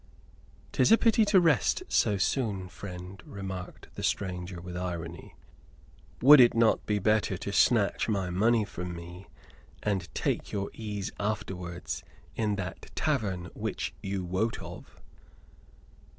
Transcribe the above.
"'Tis a pity to rest so soon, friend," remarked the stranger, with irony. "Would it not be better to snatch my money from me, and take your ease afterwards in that tavern which you wot of?"